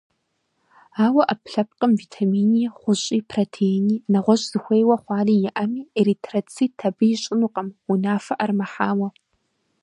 Ауэ ӏэпкълъэпкъым витамини, гъущӏи, протеини, нэгъущӏ зыхуейуэ хъуари иӏэми, эритроцит абы ищӏынукъым, унафэ ӏэрымыхьауэ.